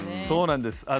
そうなんです。